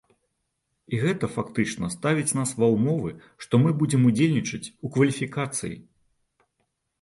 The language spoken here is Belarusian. І гэта, фактычна, ставіць нас ва ўмовы, што мы будзем удзельнічаць у кваліфікацыі.